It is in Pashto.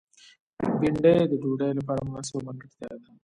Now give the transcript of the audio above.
بېنډۍ د ډوډۍ لپاره مناسبه ملګرتیا ده